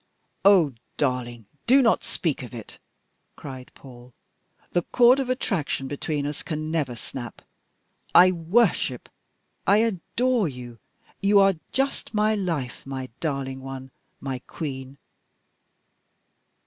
"Oh! darling, do not speak of it," cried Paul, "the cord of attraction between us can never snap. I worship, I adore you you are just my life, my darling one, my Queen!"